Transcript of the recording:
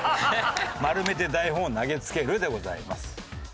「丸めて台本を投げつける」でございます。